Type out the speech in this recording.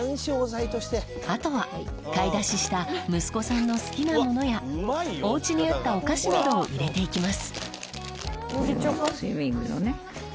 あとは買い出しした息子さんの好きなものやおうちにあったお菓子などを入れていきます。